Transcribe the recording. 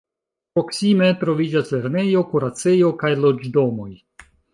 Proksime troviĝas lernejo, kuracejo kaj loĝdomoj.